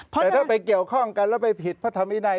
แต่ถ้าไปเกี่ยวข้องกันแล้วไปผิดพระธรรมวินัย